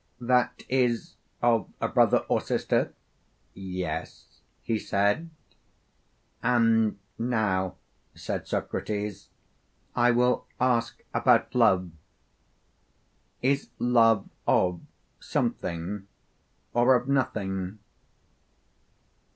That is, of a brother or sister? Yes, he said. And now, said Socrates, I will ask about Love: Is Love of something or of nothing?